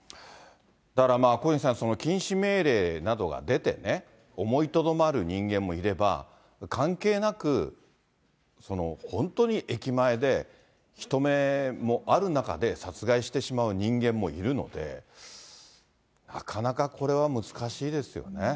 だからまあ、小西さん、禁止命令などが出て、思いとどまる人間もいれば、関係なく、本当に駅前で人目もある中で殺害してしまう人間もいるので、なかなかこれは難しいですよね。